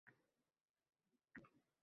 Kechqurun o`sha joyga borishdi